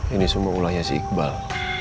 ini semua ulahnya sih iqbal